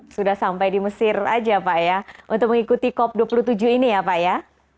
sudah sampai di mesir aja pak ya untuk mengikuti cop dua puluh tujuh ini ya pak ya